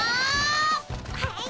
はい！